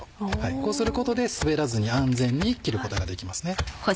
こうすることで滑らずに安全に切ることができますね。